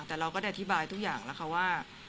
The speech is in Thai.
แต่เราก็ได้อธิบายทุกอย่างแล้วค่ะว่า